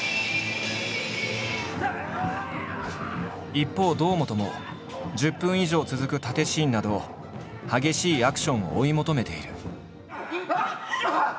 一方堂本も１０分以上続く殺陣シーンなど激しいアクションを追い求めている。